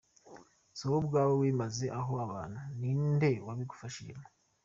Si wowe ubwawe wimaze ho abantu, ninde wabigufashije mo?